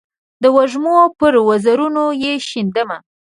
د وږمو پر وزرونو یې شیندمه